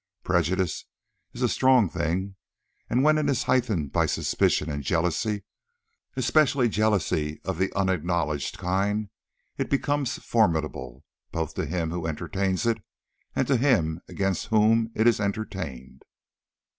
Prejudice is a strong thing, and when it is heightened by suspicion and jealousy, especially jealousy of the unacknowledged kind, it becomes formidable, both to him who entertains it and to him against whom it is entertained.